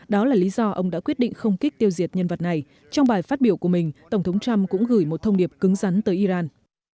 đó là lý do ông đã quyết định không kích tiêu diệt nhân vật này trong bài phát biểu của mình tổng thống trump cũng gửi một thông điệp cứng rắn tới iran